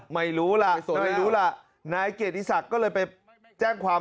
ไม่รู้ล่ะส่วนไม่รู้ล่ะนายเกียรติศักดิ์ก็เลยไปแจ้งความ